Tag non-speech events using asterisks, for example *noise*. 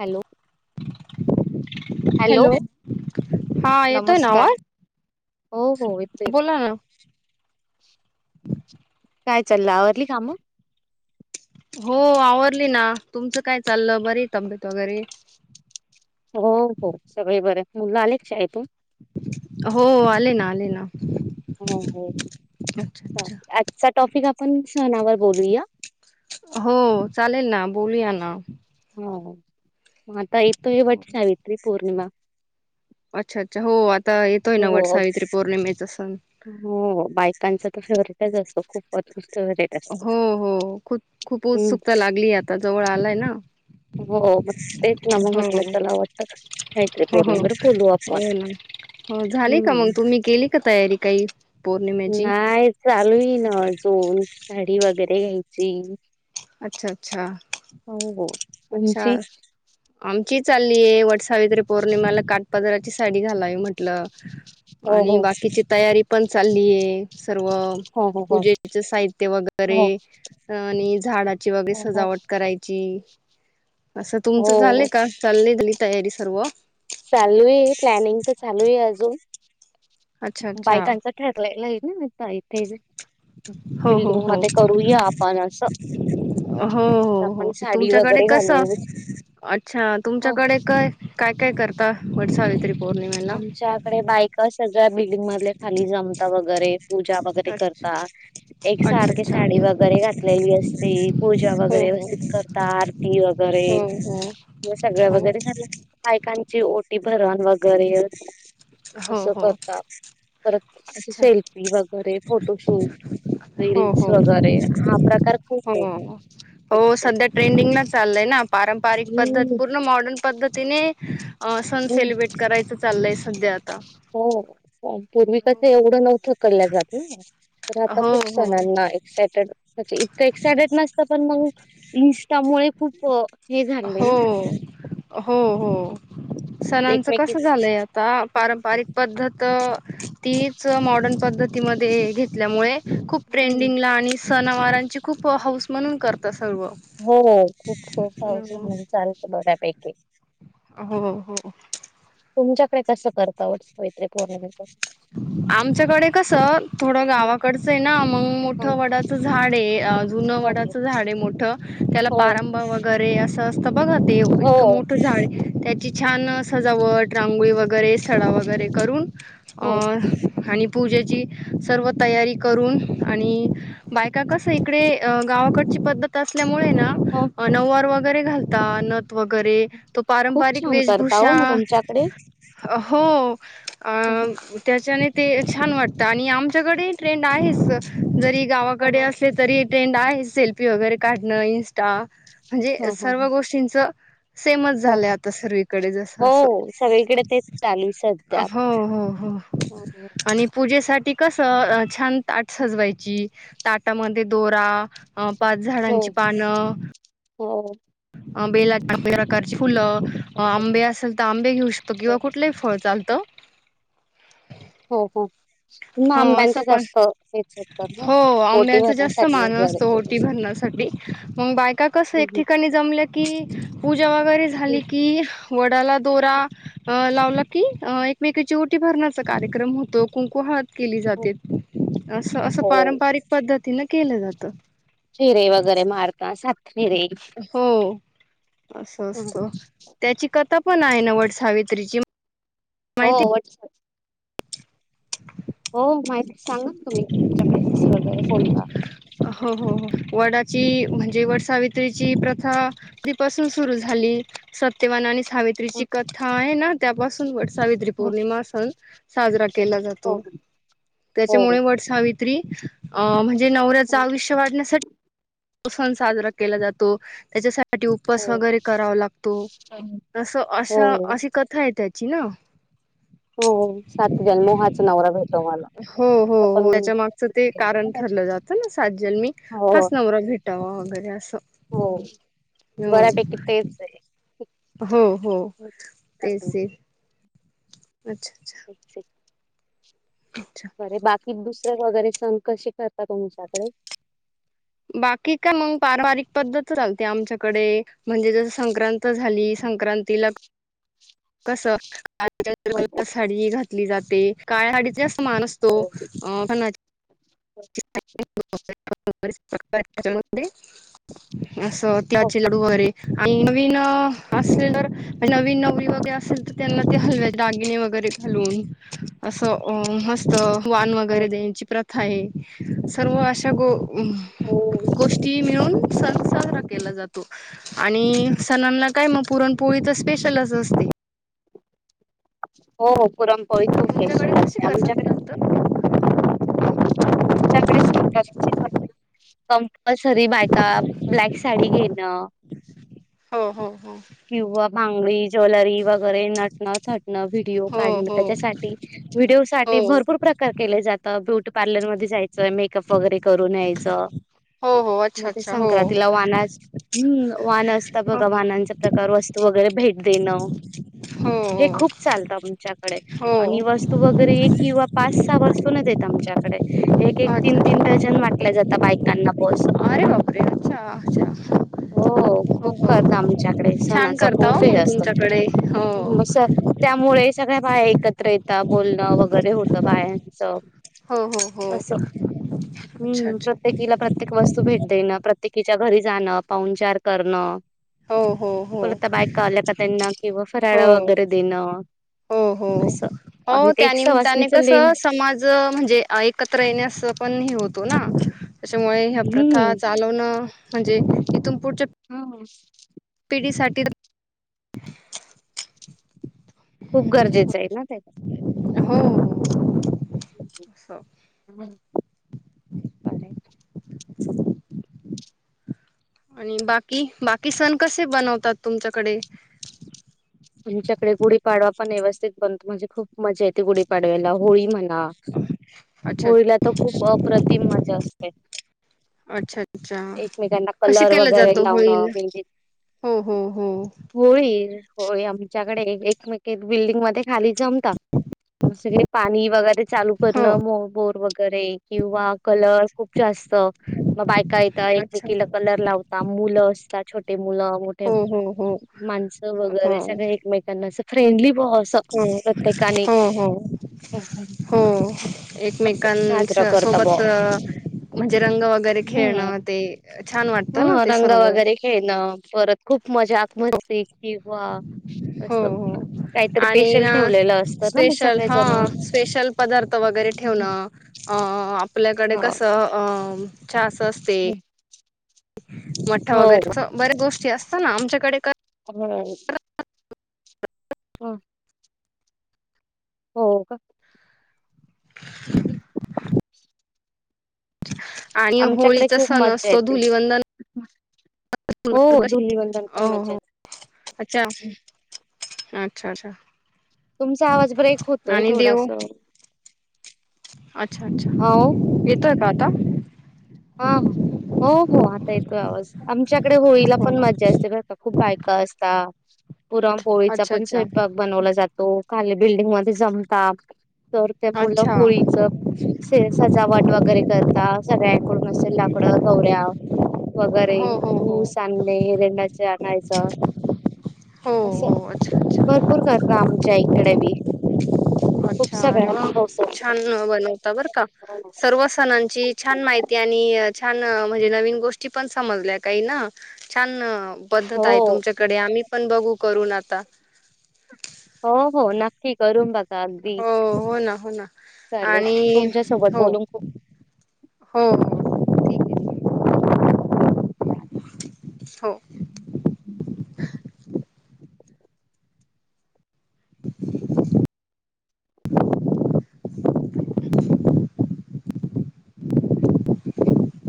Hello hello हा येतोय ना नमस्कार आवाज हो हो येतो येतो बोला ना काय चाललं आवरली काम हो आवरली ना तुमचं काय चाललं बरी तब्येत वगैरे हो हो सगळे बरे मुल आले शाळेतून हो आले ना आले ना हो अच्छा अच्छा आजचा टॉपिक आपण सणावर बोलूया हो चालेल ना बोलूया ना हो मग आता येतो वट सावित्री पौर्णिमा अच्छा अच्छा हो आता येतोय ना वट हो. सावित्री पौर्णिमेचा सण हो बायकांचा तर फेवरेटच असतो खूपच फेवरेट असतो. हो हो खूप खूप हम्म उत्सुकता लागली आता जवळ आलाय ना हो मग तेच ना म हो म्हटलं चला वट सावित्री हो हो पौर्णिमा वर बोलू हो आपण ना हो झाले का मग हम्म. तुम्ही केली का तयारी काही पौर्णिमेची नाही चालू आहे ना अजून साडी वगैरे घ्यायची अच्छा अच्छा हो हो तुमची? अच्छा आमची चालली आहे वटसावित्री पौर्णिमाला काट पदाराची साडी घालावी म्हटल हो आणि हो बाकीची तयारी पण चाललीय सर्व हो हो हो पूजेच साहित्य हो वगैरे आणि झाडाची वगैरे हो हो सजावट करायची अस तुमच झाल हो का झाली तयारी सर्व चालू अच्छा अच्छा बायकांच ठरलेल आहे ना इथे हो हो बिल्डिंग हो मध्ये करूया आपण असं हो तर हो हो आपण साडी तुमच्याकडे वगैरे कस घालू अच्छा अ, तुमच्याकडे काय काय काय करता वटसावत्री आमच्याकडे बायक सगळ्या बिल्डिंग मधले खाली जमता वगैरे पूजा वगैरे करता अच्छा एक अच्छा सारखी अच्छा साडी वगैरे घातलेली असती पूजा वगैरे हो हो व्यवस्थित करता आरती वैगेरे हो हो सगळ हो वैगेरे झाल बायका बायकांची ओटी भरण वगैरे हो असं हो करता परत अच्छा सेल्फी वगैरे फोटोशूट हो रील्स हो वगैरे हा प्रकार खूप आहे हो हो ऍक्च्युली सध्या ट्रेंडिंगला चाललंय ना पारंपरिक पद्धत हम्म पूर्ण मॉडर्न पद्धतीने अ सण हम्म सेलिब्रेट करायचं चाललय सध्या आता हो पूर्वी एवढं नव्हतं केल्या जात ना तर आता हो खूप हो सणांना एक्सायटेड अच्छा इतकं एक्सायटेड नसत पण मग इंस्टामुळे खूप हे झाले हो ना हो हो सणांचं कस एकमेकीच झालंय आता पारंपरिक पद्धत तीच मॉडर्न पद्धतीमध्ये घेतल्यामुळे खूप हम्म ट्रेंडिंगला आणि सणावारांची खूप हौस म्हणून करत अस हो खूप खूप हाऊस म्हणून चालतं बऱ्यापैकी हो हो तुमच्याकडे कसं करत आवतं मैत्री पौर्णि *unintelligible* आमच्याकडे कस थोडं हो गावाकडचं आहे ना मग मोठं वडाचं झाड आहे जुनं हो वडाच झाड आहे मोठ त्याला पारंभ वगैरे असं असतं बघा दे हो इतकं मोठं झाडे ची छान सजावट रांगोळी वगैरे सड वगैरे करून अ हो आणि पूजेची सर्व तयारी करून आणि बायका कसं इकडे गावाकड असल्यामुळेार हो व घा वगैरे तो खूप पारंपरिक छान करता हो वेशभूषा मग तुमच्याकडे. हो हं, हं. छान वाटत आणि आमच्याकडे ट्रेंड आहे ज हो गावाकडे हो. असले तरी ट्रेंड आहे सेल्फी वगैरे काढणं इं्स्टा म्हणजे ह सर्व ह गोष्टींचं सेमच हो झाले आता सर्वीकडे जस अस हो सगळीकडे तेच चालू आहे सध्या. हो हो हो हो. आणि पूजेसाठी कसं छान ताट सजवायची ताटामध्ये दोरा पाच झाडांची पानं हो हो ह बे लाग खर्च फुलं आंबे असेल तर आंबे घेऊ शकतो किंवा कुठलंही फळ चालतं हो हो म हो असं आंब्यांचं पण जास्त हेचत ना हो पोटी आंब्याचा जास्त मान भरण्यासाठीजार असतो ओटी भरण्यासाठी मग बायका कस एक ठिकाणी जमल्या की पूजा वगैरे हं. झाली की वडाला दोरा लाव की एकमेकचीओटी भरण्याचा कार्यक्रम होतो कुंकुहात केली जाते असं असं हो पारंपरिक पद्धतीन केलं जातं शिर वगैरे मारता स हो असं असतं त्याची कथा पण आहे नवट सावित्रीची माहिती होट हो माहिती सांग तुम्ही तुमच्याकडे कसे वगैरे फोन कर हो हो हो वडाची म्हणजे वड सावित्रीची प्रथा तीपासून सुरू झाली सत्यवान आणि हं, सावित्रीची कथा आहे ना त्यापासून व सावित्री हं. पौर्णिमा सण साजरा केला हो जातो त्याच्यामुळे हो वट सावित्री अ म्हणजे नवऱ्याचं हो. आयुष्य वाढण्यासाठी सण साजरा केला जातो त्याच्यासाठी साठी उपस वगैरे करावा लागतो असं हो अशा हो. अशी कथा येत च ना हो सात जनमहाचा नवरा भेटव मला हो हो तर पण हो त्याच्या मागचं ते कारण ठरलं जातं ना सातजन मी हो हाच नवरा भेटावा उपरास हो हो बऱ्यापैकी तेच आहे. हो हो तेच अच्छा अच्छा अच्छा कि दुसरे वगैरे सण कसे करता तोमच्याकडे बाकी काय मग पारंपरिक पद्धत चालते आमच्याकडे म्हणजे जस संक्रां झाली संक्रांतीला कस हो साडी घात जाते काळडीत जात मान असतो हो असं हो त्याचे लाडू वगैरे आणि नवीन असेल तर नवीन नवरी वगैरे असेल तर त्यांना ते हलव्याचे दागिने वगैरे घालून असं मस्त वान हो वगैरे द्याची प्रथा आहे सर्व अशा गो गोष्टी मिळून स के जातो आणि सणना काय मग पुरणपोळीच स्पेशल अस असते हो पुरमपोळी खूप तुमच्याकडे स्ेशल कशी असते कर आमच्याकडे संक्रांत आच्याकडे कंपल्सरी बायका ब्लॅक साडी घेणं हो हो किंवा भांगडी ज्वेलरी वगैरे नटणट व्हिडिओ हो काढण हो त्याच्यासाठी व्हिडिओ साठी हो भरपूर प्रकार केले जातात तर ब्युटी पार्लरमध्येध्ये जायचंय मेकअप वगैरे करून यायचं हो हो अच्छा मग ते अच्छा हो संक्रांती ला वानास हम्म वान असता भगवानांचा प्रकार वस्तू वगैरे भेट देणं हे हो खूप चालतं आमच्याकडे हो आणि वस्तू वगैरे एक किंवा पाचचा वस्त ेत आमच्याकडे एक एक अच्छा तीन तीन अच्छा डजन वाटल्या जात बायकांना बोस अरे बापरे अच्छा अच्छा. हो हो खूप हो करत हो आमच्या डे छान सणाचा करता हो खूे मग तुमच्याकडे हो असतात त्यामुळे सगळ्या बाया. एकत्र येता बोलणं वगैरे होतं बायांचं. हो हो हो अस अच्छा हम्म अच्छा प्रत्येकीला प्रत्येक वस्तू भेट दे ना प्रत्येक तिच्या घरी जाणं पाहनचार करणं. हो. हो हो पोलता बायक आल्या का त्यांना किंवा फराळा हो वगैरे देणं. हो हो असं. आणि हो ते एक त्यानी त्याने सवासणीच कस लेण समाज म्हणजे एकत्र येण्यासं पण होतो ना त्याच्यामुळे ह प्रथा हम्म चालवण म्हणजे इथून हो. डी साठी खूप गरजेचं आहे ना त्या हो हो. हम् बर ह. आणि बाकी बाकी सण कसे बनवतात तुमच्याकडे आमच्याकडे गुढीपाडवा पण व्यवस्थित बनतो म्हणजे खूप मजा येते गुढीपाडवा्याला होळी म्हण. हा अच्छा होळीला तर खूप अप्रतिम मजा असते. अच्छा अच्छा एकमेकांना कशी कलर केलं वगैरे जातो लावणं होईल. मेहंदी हम्म हम्म हम्म. होय आमच्याकडे एकमेक एक बिल्डिंग मध्ये खाली जमत. सगळे पाणी वगैरे चालू हो करणं बोर वगैरे किंवा कलर खूप जास्त मग बायका येत अच्छा एकेला कलर लाव मुलं असतात. छोटे मुलं मोठे हो हो हो माणसं व हो सग एकमेकांना अस फ्रेंडली अस हो प्रत्येकाने हो हो हो साजरां एकमेकां करत सोबत ब म्हणजे रंग वगैरे हम् खेळणं ते छान वाटतं ना ह ते रंग सर्व हो वगैरे ख ना. खूप मज आ मत वा अस हो काहीतरी आणि पेशल ना ठेवलेलं असतं ना मग स्पेशल हा सगळेजण स्पेशल पदार्थ वगैरे ठेवणं अ आपल्याकडे हो. कसं अ. छ अस असते. मठा हो. वगैरे बर्या गोष्टी असतात ना आमच्याकडे हो. हम. हो का? हम्. आणि होळीचा खूप सण मज्जा असतो येते. धुलवंदन हो क धुलीवंदन पण मज्जा हो येते. अच्छा. अच्छा अच्छा. तुमचा आवाज ब्रेक होतोय आणि देव थोडास अच्छा अच्छा येतोय का आता. हा हो हो आता येतोय आवाज. आमच्याकडे होळीला हो पण मजा असतेता खूप बायका असतात. पुराण पोळीचा अच्छा पण अच्छा स्वयंपाक बनवला जातो खाली बिल्डिंग मध्ये जमता. तर ते मुलं अच्छा होळीच सजावट वगैरे करता सगळ्यां ड मसे लाकडं गौऱ्या वगैरे हो हो हो ऊ सामने रेंडाचे आणायच. हो हो असं अच्छा अच्छा भरपूर करक आमच्या इकडे बी खूप अ अरे वा सगळ्यांना हौस असते. छान बनवता बर का सर्व सणांची छान माहिती त्यांनी छान म्हणजे नवीन गोष्टी पण समजल्या काही ना छान पद्धत आहे हो तुमच्याकडे आम्ही पण बघू करून आता हो हो नक्की करून बघा अगदी हो हो ना हो ना चालेल आणि तुमच्यासोबत हो बोलून हो हो ठीक आहे हो हम्म *inaudible*